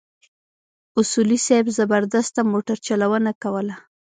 اصولي صیب زبردسته موټرچلونه کوله.